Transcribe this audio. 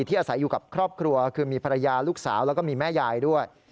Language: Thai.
อาศัยอยู่กับครอบครัวคือมีภรรยาลูกสาวแล้วก็มีแม่ยายด้วย